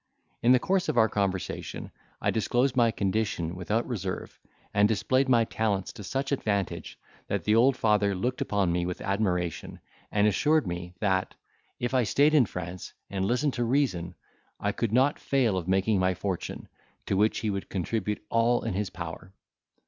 In the course of our conversation, I disclosed my condition without reserve, and displayed my talents to such advantage, that the old father looked upon me with admiration, and assured me, that, if I stayed in France, and listened to reason, I could not fail of making my fortune, to which he would contribute all in his power.